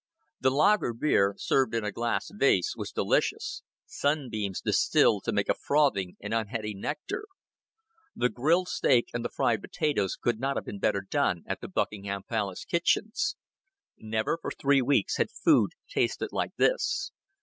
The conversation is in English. The lager beer, served in a glass vase, was delicious sunbeams distilled to make a frothing and unheady nectar. The grilled steak and the fried potatoes could not have been better done at the Buckingham Palace kitchens. Never for three weeks had food tasted like this.